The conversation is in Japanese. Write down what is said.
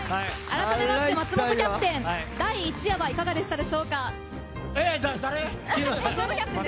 あらためまして松本キャプテン第１夜はいかがでしたでしょうか。